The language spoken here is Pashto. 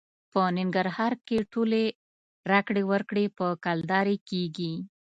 په ننګرهار کې ټولې راکړې ورکړې په کلدارې کېږي.